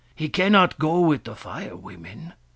He cannot go with the Fire Women.